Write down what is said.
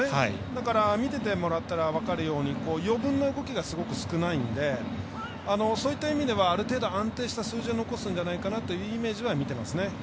だから見ててもらったら分かるように余分な動きがすごく少ないのでそういった意味ではある程度安定した数字を残すんじゃないかというイメージでは見ていますね。